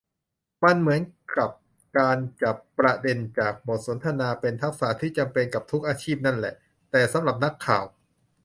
มันเหมือนกับ การจับประเด็นจากบทสนทนาเป็นทักษะที่จำเป็นกับทุกอาชีพนั่นแหละ แต่สำหรับนักข่าว